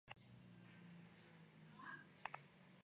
შემორჩენილია მხოლოდ სამხრეთ წირთხლი.